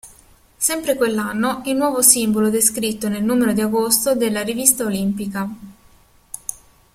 Sempre quell'anno, il nuovo simbolo descritto nel numero di agosto della "Rivista Olimpica".